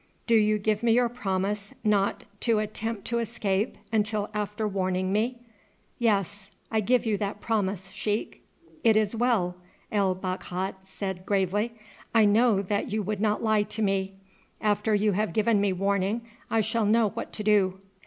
Do you give me your promise not to attempt to escape until after warning me?" "Yes, I give you that promise, sheik." "It is well," El Bakhat said gravely. "I know that you would not lie to me. After you have given me warning I shall know what to do."